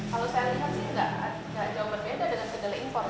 kalau saya lihat sih enggak kan